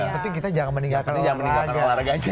penting kita jangan meninggalkan olahraga aja